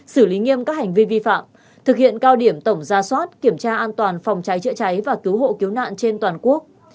xử lý nghiêm các hành vi vi phạm thực hiện cao điểm tổng ra soát kiểm tra an toàn phòng cháy chữa cháy và cứu hộ cứu nạn trên toàn quốc